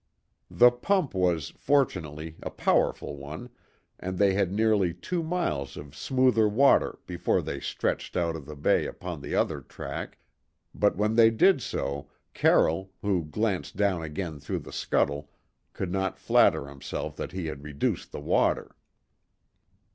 The pump was, fortunately, a powerful one, and they had nearly two miles of smoother water before they stretched out of the bay upon the other track; but when they did so Carroll, who glanced down again through the scuttle, could not flatter himself that he had reduced the water.